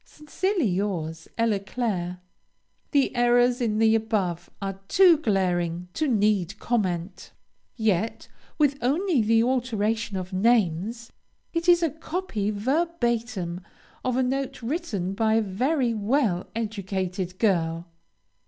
Sincerely yours, ELLA CLAIRE. The errors in the above are too glaring to need comment, yet, with only the alteration of names, it is a copy, verbatim, of a note written by a well educated girl.